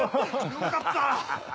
よかった。